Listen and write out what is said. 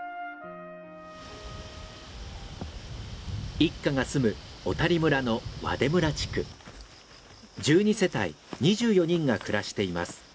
一家が住む１２世帯２４人が暮らしています。